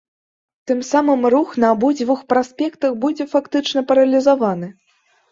Тым самым рух на абодвух праспектах будзе фактычна паралізаваны.